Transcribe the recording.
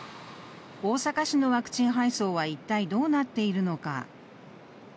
大阪市のワクチン配送は一体、どうなっているのか。